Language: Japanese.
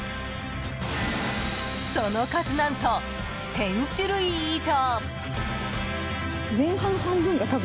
その数、何と１０００種類以上！